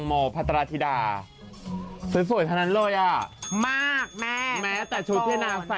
ไม่น่าใช่ว่าฉันใส่เสื้อผ้าโมได้